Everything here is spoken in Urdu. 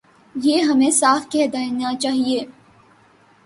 یہ ہمیں صاف کہہ دینا چاہیے۔